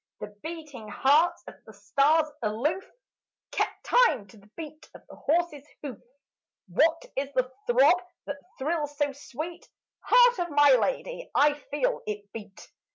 The beating hearts of the stars aloof kept time to the beat of the horse's hoof, "What is the throb that thrills so sweet? Heart of my lady, I feel it beat!"